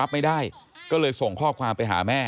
ไอ้แม่ได้เอาแม่ได้เอาแม่